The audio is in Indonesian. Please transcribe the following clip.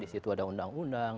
di situ ada undang undang